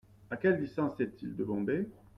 À quelle distance est-il de Bombay ?